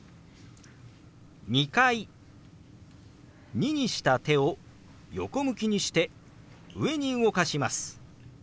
「２」にした手を横向きにして上に動かします。